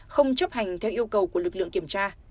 không chấp hành theo yêu cầu của lực lượng kiểm tra